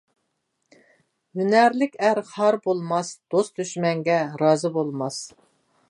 ھۈنەرلىك ئەر خار بولماس، دوست-دۈشمەنگە رازى بولماس.